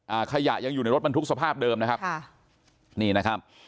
ขยะยังอยู่ในรถบรรทุกสภาพเดิมนะครับค่ะนี่นะครับ